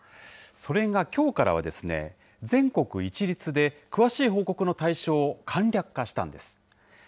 それがきょうからは、全国一律で、詳しい報告の対象を簡略化したんです。